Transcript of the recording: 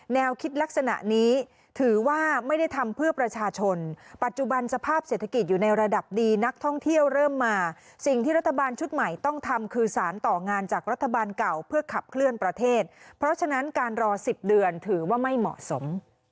แนวคิดลักษณะนี้ถือว่าไม่ได้ทำเพื่อประชาชนปัจจุบันสภาพเศรษฐกิจอยู่ในระดับดีนักท่องเที่ยวเริ่มมาสิ่งที่รัฐบาลชุดใหม่ต้องทำคือสารต่องานจากรัฐบาลเก่าเพื่อขับเคลื่อนประเทศเพราะฉะนั้นการรอ๑๐เดือนถือว่าไม่เหมาะสม